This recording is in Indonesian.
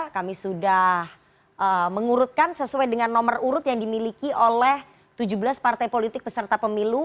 kami sudah mengurutkan sesuai dengan nomor urut yang dimiliki oleh tujuh belas partai politik peserta pemilu